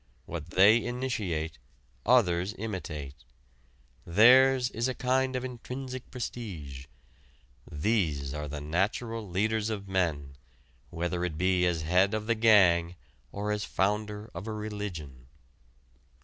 What they initiate, others imitate. Theirs is a kind of intrinsic prestige. These are the natural leaders of men, whether it be as head of the gang or as founder of a religion.